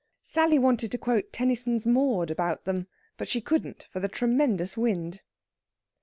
Sally wanted to quote Tennyson's "Maud" about them, but she couldn't for the tremendous wind.